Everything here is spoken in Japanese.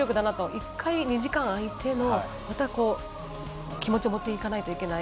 １回、２時間空いてのまた気持ちを持っていかないといけない。